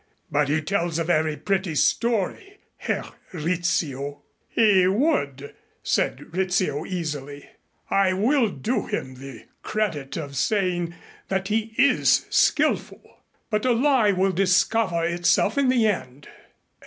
But he tells a very pretty story, Herr Rizzio." "He would," said Rizzio easily. "I will do him the credit of saying that he is skillful. But a lie will discover itself in the end."